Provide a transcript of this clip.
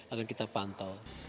akan kita pantau